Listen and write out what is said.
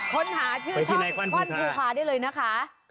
คนหาชื่อช่องกว้านปูคาร์ได้เลยนะคะ